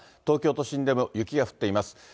東京都心でも雪が降っています。